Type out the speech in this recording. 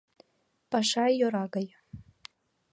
Паша йӧра гай.